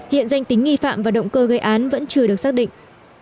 hiện danh tính nghi phạm và động cơ gây án vẫn chưa được xác định